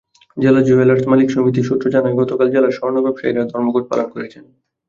জেলা জুয়েলার্স মালিক সমিতি সূত্র জানায়, গতকাল জেলার স্বর্ণ ব্যবসায়ীরা ধর্মঘট পালন করেছেন।